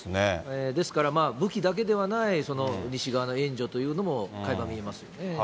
ですから、武器だけではない西側の援助というのもかいま見えますね。